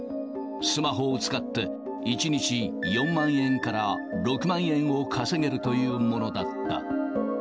スマホを使って、１日４万円から６万円を稼げるというものだった。